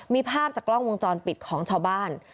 มีภาพจากกล้องวงจรปิดของชาวบ้าน